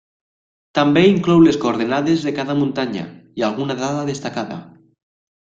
També inclou les coordenades de cada muntanya, i alguna dada destacada.